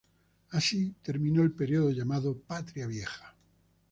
Así terminó el período llamado Patria Vieja.